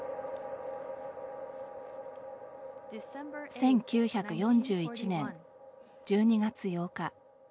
１９４１年１２月８日。